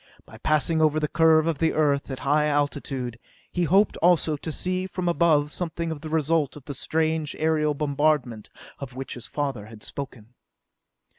By passing over the curve of the Earth at a high altitude, he hoped also to see from above something of the result of the strange aerial bombardment of which his father had spoken.